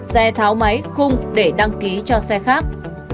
xe tháo máy khung để đăng ký cho xe khác